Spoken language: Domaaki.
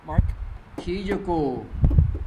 تھی جوکݸ